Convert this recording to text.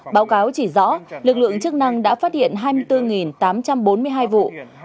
báo cáo chỉ rõ lực lượng chức năng đã phát hiện hai mươi bốn tám trăm bốn mươi hai vụ